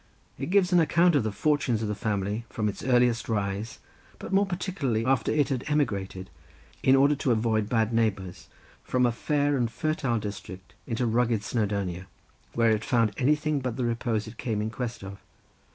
It gives an account of the fortunes of the family from its earliest rise: but more particularly after it had emigrated, in order to avoid bad neighbours, from a fair and fertile district into rugged Snowdonia, where it found anything but the repose it came in quest of.